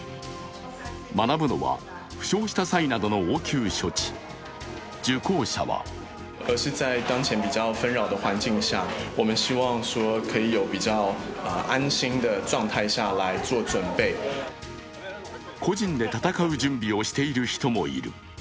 学ぶのは負傷した際などの応急措置受講者は個人で戦う準備をしている人もいる。